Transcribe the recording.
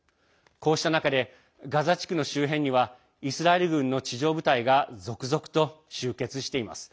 こうした中でガザ地区の周辺にはイスラエル軍の地上部隊が続々と集結しています。